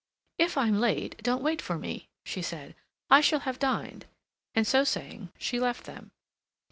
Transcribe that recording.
"If I'm late, don't wait for me," she said. "I shall have dined," and so saying, she left them.